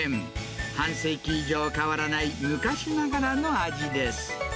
半世紀以上変わらない昔ながらの味です。